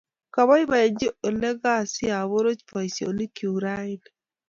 Kapoipoenji olekasiaporoch poisyonik chuk raini.